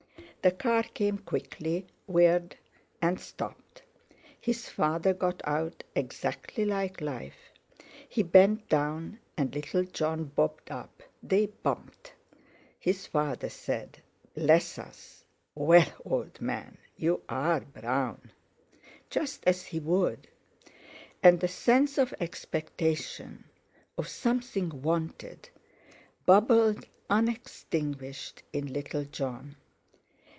The car came quickly, whirred, and stopped. His father got out, exactly like life. He bent down and little Jon bobbed up—they bumped. His father said, "Bless us! Well, old man, you are brown!" Just as he would; and the sense of expectation—of something wanted—bubbled unextinguished in little Jon.